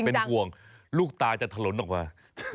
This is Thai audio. เป็นห่วงลูกตาจะถลนออกมา